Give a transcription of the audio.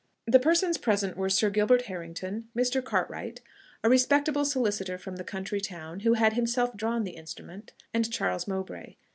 The persons present were Sir Gilbert Harrington, Mr. Cartwright, a respectable solicitor from the country town who had himself drawn the instrument, and Charles Mowbray.